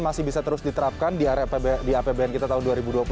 masih bisa terus diterapkan di apbn kita tahun dua ribu dua puluh satu